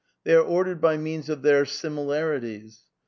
They are ordered by means of their similarities.